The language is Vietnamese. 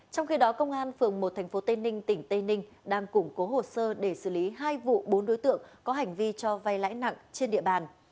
trong khi đó công an phường một tp tây ninh tỉnh tây ninh đang củng cố hồ sơ để xử lý hai vụ bốn đối tượng có hành vi cho vay lãi nặng trên địa bàn